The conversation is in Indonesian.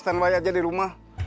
saya mau stand by aja di rumah